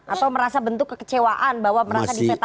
atau merasa bentuk kekecewaan bahwa merasa di seta kompli